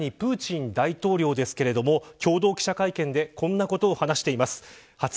さらに、プーチン大統領ですが共同記者会見でこんなことを話しています。